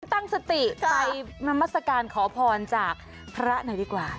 ตั้งสติไปนามัศกาลขอพรจากพระหน่อยดีกว่า